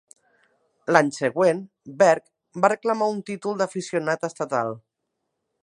L'any següent, Berg va reclamar un títol d'aficionat estatal.